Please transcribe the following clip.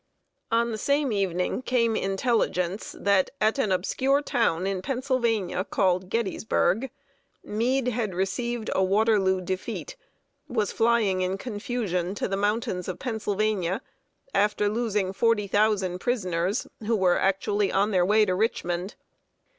On the same evening came intelligence that, at an obscure town in Pennsylvania called Gettysburg, Meade had received a Waterloo defeat, was flying in confusion to the mountains of Pennsylvania after losing forty thousand prisoners, who were actually on their way to Richmond.